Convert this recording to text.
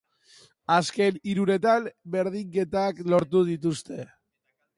Azken hiruretan berdinketak lortu dituzte.